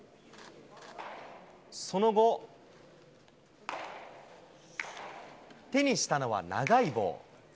その後、手にしたのは長い棒。